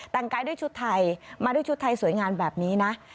แต่งกายด้วยชุดไทยมาด้วยชุดไทยสวยงามแบบนี้นะ